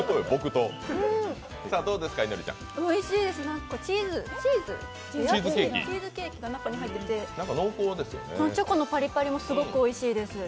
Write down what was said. おいしいです、チーズケーキが中に入っててこのチョコのパリパリもすごくおいしいです。